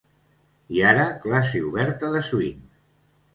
I ara classe oberta de swing !